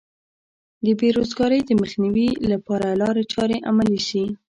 د بې روزګارۍ د مخنیوي لپاره لارې چارې عملي شي.